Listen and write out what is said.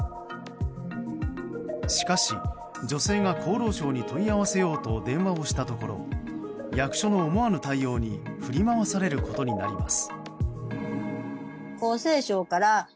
しかし、女性が厚労省に問い合わせようと電話をしたところ役所の思わぬ対応に振り回されることになります。